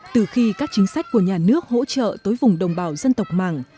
từ khi các chính sách của nhà nước hỗ trợ tới vùng đồng bào dân tộc mạng